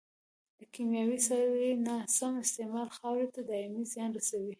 د کيمیاوي سرې ناسم استعمال خاورې ته دائمي زیان رسوي.